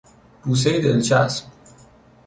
بوسهی دلچسب